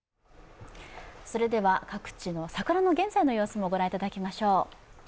各地の桜の現在の様子もご覧いただきましょう。